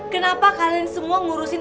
kenapa kalian semua ngurusin